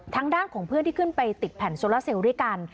ทางด้านของเพื่อนที่ขึ้นไปติดแผ่นโซลาเซลด้วยกัน